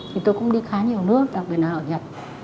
thì tôi cũng đi khá nhiều nước đặc biệt là ở nhật